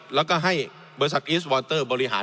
แล้วก็ให้บริษัทอีสวอนเตอร์บริหาร